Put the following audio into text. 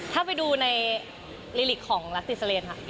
ถ้าไปดูในลิริกของลักษณ์ติดสเลนส์ค่ะ